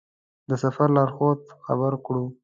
د سفر لارښود خبر کړو.